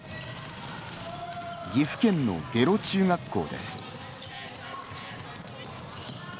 岐阜県の下呂中学校です。